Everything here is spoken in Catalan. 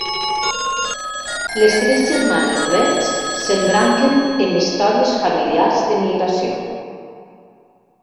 Les tres germanes Reig s'embranquen en històries familiars d'emigració.